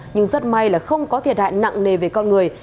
nhưng rất may là không có thiệt hại nặng nề về con người